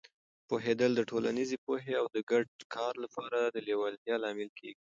پوهېدل د ټولنیزې پوهې او د ګډ کار لپاره د لیوالتیا لامل کېږي.